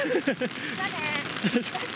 じゃあね！